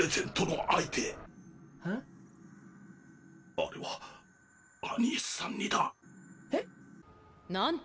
あれはアニエスさんにだ。へ⁉何て？